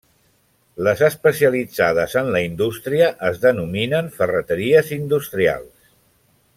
Les especialitzades en la indústria, es denominen ferreteries industrials.